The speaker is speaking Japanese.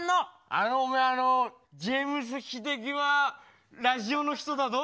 あのおめえあのジェームス英樹はラジオの人だど。